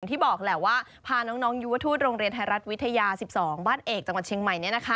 ที่บอกแหละว่าพาน้องยุวทูตโรงเรียนไทยรัฐวิทยา๑๒บ้านเอกจังหวัดเชียงใหม่